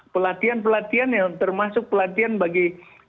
pelatihan pelatihan yang termasuk pelatihan bagi